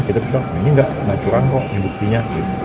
kita bilang ini enggak enggak curang kok ini buktinya